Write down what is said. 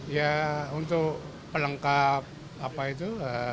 ya untuk pelengkap apa itu